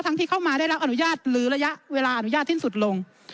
ที่เข้ามาได้รับอนุญาตหรือระยะเวลาอนุญาตสิ้นสุดลง